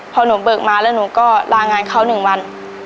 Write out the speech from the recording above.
พอหนูเบิกมาแล้วหนูก็ลางานเขา๑วัน